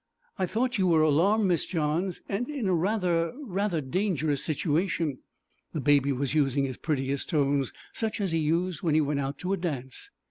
'I thought you were alarmed, Miss Johns, and in a rather rather dangerous situation.' The Baby was using his prettiest tones, such as he used when he went out to a dance.